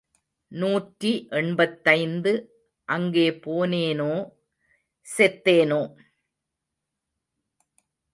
நூற்றி எண்பத்தைந்து அங்கே போனேனோ செத்தேனோ?